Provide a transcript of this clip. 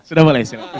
sudah boleh silahkan